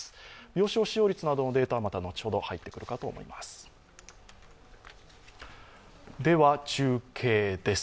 病床使用率などのデータはまた後ほど入ってくるかと思います。